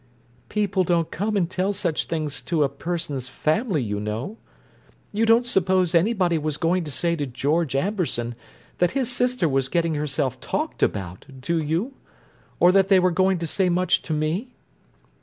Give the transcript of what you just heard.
"People don't come and tell such things to a person's family, you know. You don't suppose anybody was going to say to George Amberson that his sister was getting herself talked about, do you? Or that they were going to say much to me?"